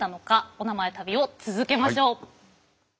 おなまえ旅を続けましょう。